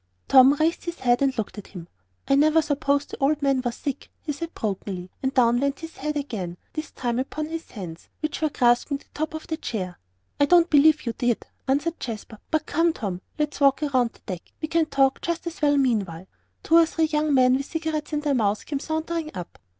Tom raised his head and looked at him. "I never supposed the old man was sick," he said brokenly, and down went his head again, this time upon his hands, which were grasping the top of the chair. "I don't believe you did," answered Jasper. "But come, Tom, let's walk around the deck; we can talk just as well meanwhile." Two or three young men, with cigarettes in their mouths, came sauntering up.